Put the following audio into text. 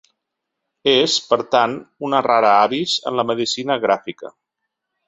És, per tant, una rara avis en la medicina gràfica.